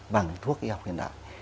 bằng thuốc y học hiện đại